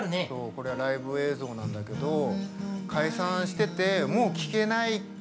これはライブ映像なんだけど解散しててもう聴けないっていうのもあって。